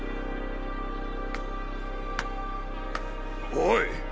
おい！